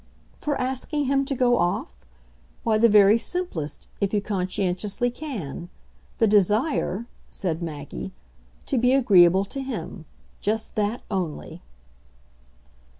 "For asking him to go off? Why, the very simplest if you conscientiously can. The desire," said Maggie, "to be agreeable to him. Just that only."